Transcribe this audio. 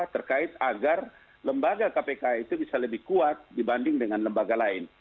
terkait agar lembaga kpk itu bisa lebih kuat dibanding dengan lembaga lain